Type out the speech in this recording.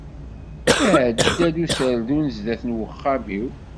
Iɛedda-d userdun sdat n wexxam-iw.